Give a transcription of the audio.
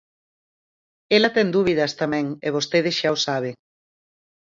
Ela ten dúbidas tamén e vostede xa o sabe.